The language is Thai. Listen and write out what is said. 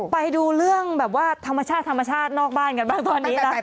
ไปดูเรื่องแบบว่าธรรมชาติธรรมชาตินอกบ้านกันบ้างตอนนี้นะ